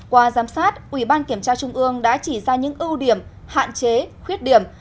qua giám sát ủy ban kiểm tra trung ương đã chỉ ra những ưu điểm hạn chế khuyết điểm